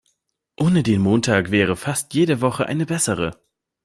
Ohne den Montag wäre fast jede Woche eine bessere.